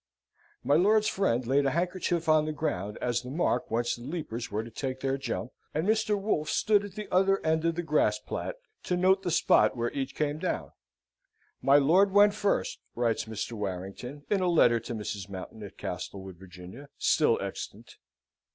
My lord's friend laid a handkerchief on the ground as the mark whence the leapers were to take their jump, and Mr. Wolfe stood at the other end of the grass plat to note the spot where each came down. "My lord went first," writes Mr. Warrington, in a letter to Mrs. Mountain, at Castlewood, Virginia, still extant.